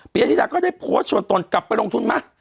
ยธิดาก็ได้โพสต์ชวนตนกลับไปลงทุนไหม